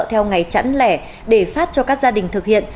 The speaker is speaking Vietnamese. theo ngày chẵn lẻ để phát cho các gia đình thực hiện